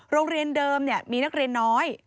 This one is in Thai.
โรงเรียนเดิมมีนักเรียนน้อย